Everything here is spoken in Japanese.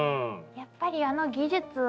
やっぱりあの技術。